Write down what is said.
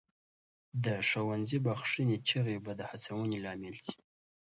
د ښوونځي بخښنې چیغې به د هڅونې لامل سي.